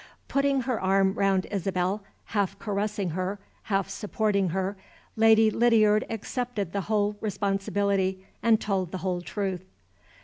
Putting her arm round Isabel half caressing her, half supporting her Lady Lydiard accepted the whole responsibility and told the whole truth.